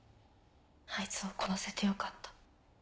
あいつを殺せてよかった。